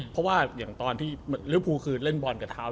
เพราะว่าอย่างตอนที่ลิวภูคือเล่นบอลกับเท้า